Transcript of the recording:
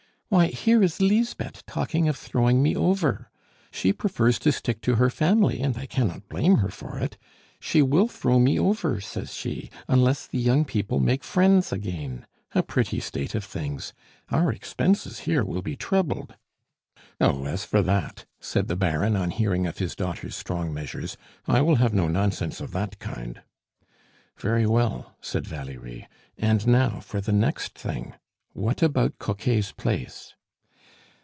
Why, here is Lisbeth talking of throwing me over! She prefers to stick to her family, and I cannot blame her for it. She will throw me over, says she, unless the young people make friends again. A pretty state of things! Our expenses here will be trebled!" "Oh, as for that!" said the Baron, on hearing of his daughter's strong measures, "I will have no nonsense of that kind." "Very well," said Valerie. "And now for the next thing. What about Coquet's place?"